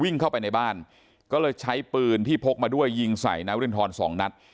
วิ่งเข้าไปในบ้านก็เลยใช้ปืนที่พกมาด้วยยิงใส่นายวรินทรสองนัด